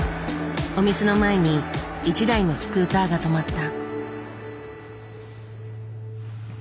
お店の前に一台のスクーターが止まった。